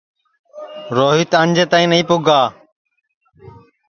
روہیت آنجے تائی نائی پُگا